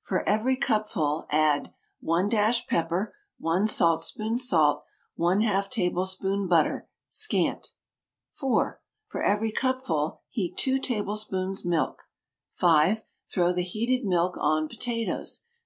For every cupful, add 1 dash pepper, 1 saltspoon salt, ½ tablespoon butter (scant). 4. For every cupful, heat 2 tablespoons milk. 5. Throw the heated milk on potatoes.